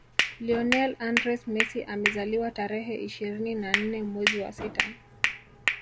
Lionel Andres Messi amezaliwa tarehe ishirini na nne mwezi wa sita